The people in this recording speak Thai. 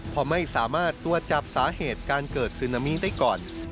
เพราะไม่สามารถตรวจจับสาเหตุการเกิดซึนามิได้ก่อน